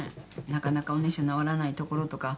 なかなかおねしょなおらないところとか。